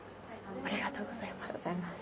ありがとうございます。